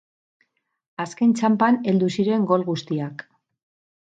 Azken txanpan heldu ziren gol guztiak.